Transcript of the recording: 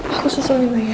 aku susul nino ya